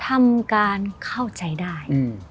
ทำการเข้าใจได้